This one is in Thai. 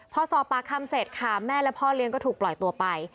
พอสอบปากคำเสร็จค่ะแม่และพ่อเลี้ยงก็ถูกปล่อยตัวไป